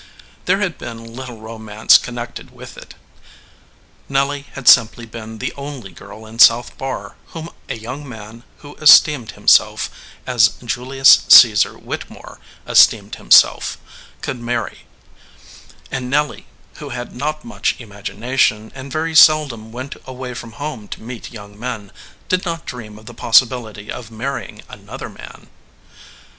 There had been little romance connected with it. Nelly had simply been the only girl in South Barr whom a young man who esteemed him self as Julius Caesar Whittemore esteemed himself could marry, and Nelly, who had not much imagi nation, and very seldom went away from home to meet young men, did not dream of the possibility of marrying another man.